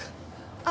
あっ。